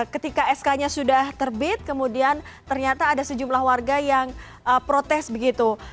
ketika sk nya sudah terbit kemudian ternyata ada sejumlah warga yang protes begitu